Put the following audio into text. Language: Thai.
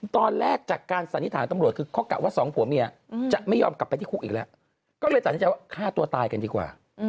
เพราะรู้สึกมีโซ่ตวนอยู่